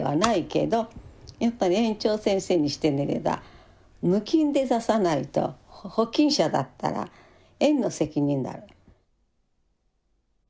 やっぱり園長先生にしてみれば無菌で出さないと保菌者だったら園の責任になる。